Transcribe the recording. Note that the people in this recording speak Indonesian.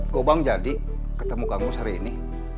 keubang jadi ketemu kamu hari ini